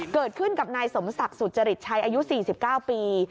เกิดขึ้นกับนายสมศักดิ์สุจริตชัยอายุ๔๙ปี